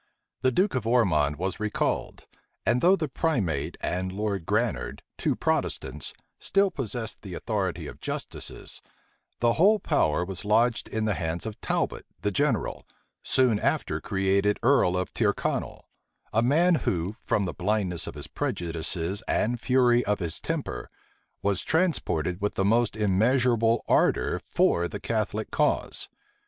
The duke of Ormond was recalled; and though the primate and Lord Granard, two Protestants, still possessed the authority of justices, the whole power was lodged in the hands of Talbot, the general, soon after created earl of Tyrconnel; a man who, from the blindness of his prejudices and fury of his temper, was transported with the most immeasurable ardor for the Catholic cause.